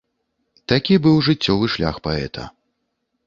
Такі быў жыццёвы шлях паэта.